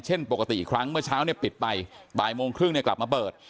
เช่นปกติครั้งเมื่อเช้าปิดไปบ่ายโมงครึ่งกลับมาเปิด